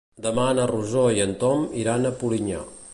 Demà na Rosó i en Tom iran a Polinyà.